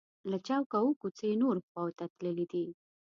له چوکه اووه کوڅې نورو خواو ته تللي دي.